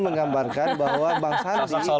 menggambarkan bahwa bangsa